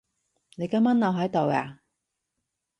你今晚留喺度呀？